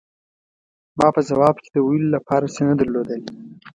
ما په ځواب کې د ویلو له پاره څه نه درلودل.